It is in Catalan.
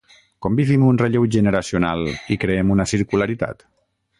Com vivim un relleu generacional i creem una circularitat?